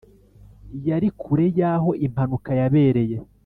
yari kure y’aho impanuka yabereye,